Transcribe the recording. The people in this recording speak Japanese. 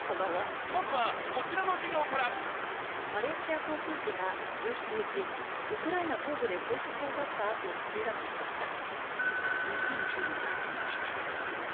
まずはこちらの授業からマレーシア航空機が１７日ウクライナ東部で消息を絶った後墜落しました。